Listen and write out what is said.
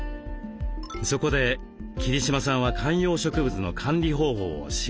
そこで桐島さんは観葉植物の管理方法を習得。